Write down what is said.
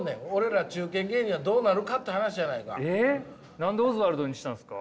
何でオズワルドにしたんすか？